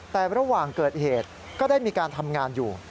แต่ระหว่างเกิดเหตุก็ได้มีการทำงานอยู่